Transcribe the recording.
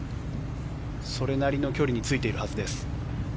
それなりの距離についているはずです。